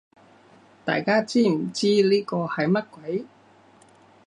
大家知唔知呢個係乜鬼